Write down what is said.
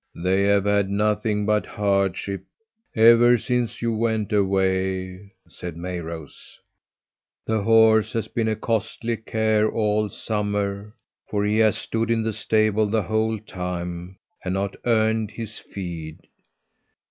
"They have had nothing but hardship ever since you went away," said Mayrose. "The horse has been a costly care all summer, for he has stood in the stable the whole time and not earned his feed.